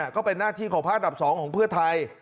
ก็เป็นหน้าที่ของภาคดับ๒ของเพื่อไทย